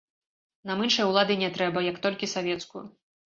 Нам іншай улады не трэба, як толькі савецкую.